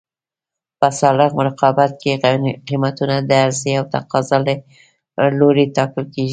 په سالم رقابت کې قیمتونه د عرضې او تقاضا له لورې ټاکل کېږي.